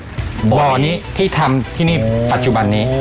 ถ้าคนมาเจอบรอนี่ที่ทำที่นี่พัจจุบันนี้